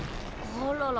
あらら。